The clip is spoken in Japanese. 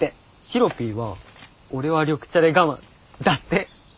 ヒロピーは「おれは緑茶でがまん」だって。